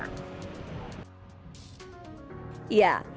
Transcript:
sehingga ketika anda tiba anda langsung bisa menjelajahi singapura